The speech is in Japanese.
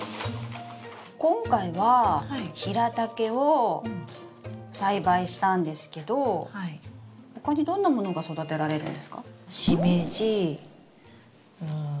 今回はヒラタケを栽培したんですけど他にどんなものが育てられるんですか？